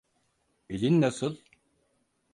Elin nasıl?